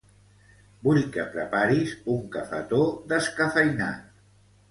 Vull que preparis un cafetó descafeïnat.